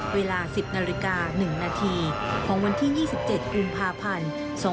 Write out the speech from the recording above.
เวลา๑๐นาฬิกา๑นาทีของวันที่๒๗กุมภาพันธ์๒๕๖